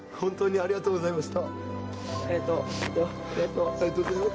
ありがとうございます。